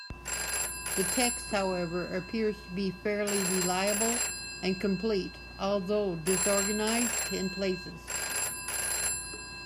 The text, however, appears to be fairly reliable and complete, although disorganized in places.